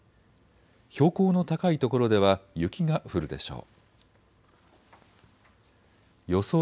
標高の高いところでは雪が降るでしょう。